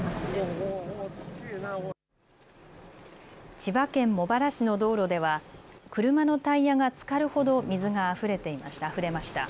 千葉県茂原市の道路では車のタイヤがつかるほど水があふれました。